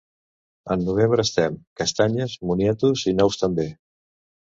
En novembre estem, castanyes, moniatos i nous també.